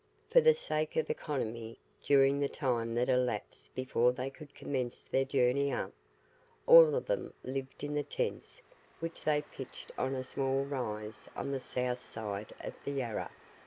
For the sake of economy, during the time that elapsed before they could commence their journey up, all of them lived in the tents which they pitched on a small rise on the south side of the Yarra.